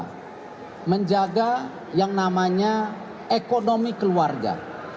kita menjaga yang namanya ekonomi keluarga